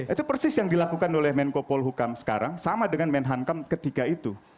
itu persis yang dilakukan oleh menko polhukam sekarang sama dengan menhankam ketika itu